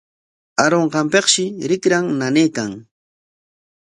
Arunqanpikshi rikran nanaykan.